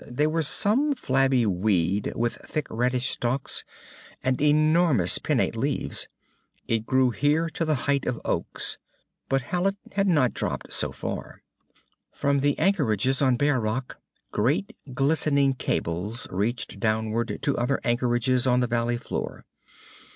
They were some flabby weed with thick reddish stalks and enormous pinnate leaves. It grew here to the height of oaks. But Hallet had not dropped so far. From anchorages on bare rock, great glistening cables reached downward to other anchorages on the valley floor.